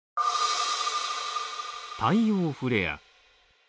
太陽フレア。